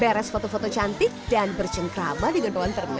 beres foto foto cantik dan bercengkrama di gondolan ternak